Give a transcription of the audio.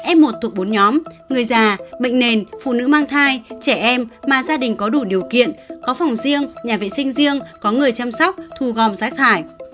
f một thuộc bốn nhóm người già bệnh nền phụ nữ mang thai trẻ em mà gia đình có đủ điều kiện có phòng riêng nhà vệ sinh riêng có người chăm sóc thu gom rác thải